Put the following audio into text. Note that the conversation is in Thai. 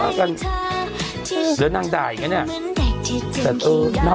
แล้วนางด่าอย่างงี้แน่